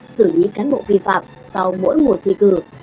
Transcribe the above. xử lý cán bộ vi phạm sau mỗi mùa thi cử